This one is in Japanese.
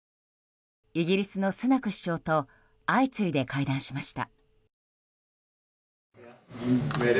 イギリスのスナク首相と相次いで会談しました。